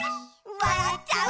「わらっちゃう」